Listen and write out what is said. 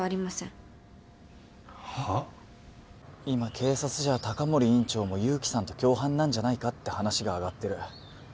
今警察じゃ高森院長も勇気さんと共犯なんじゃないかって話が上がってる。